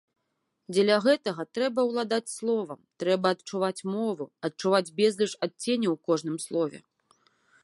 Дзеля гэтага трэба ўладаць словам, трэба адчуваць мову, адчуваць безліч адценняў у кожным слове.